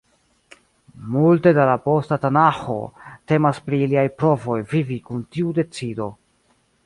Multe da la posta Tanaĥo temas pri iliaj provoj vivi kun tiu decido.